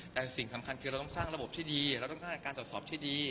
แต่สิ่งสำคัญคือเราต้องสร้างระบบที่ดีเราต้องการตรวจสอบที่ดี